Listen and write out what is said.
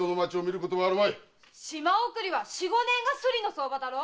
島送りは五年がスリの相場だろう？